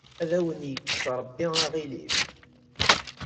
Ad awen-ikkes Rebbi aɣilif.